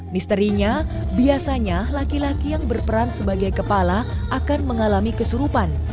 misterinya biasanya laki laki yang berperan sebagai kepala akan mengalami kesurupan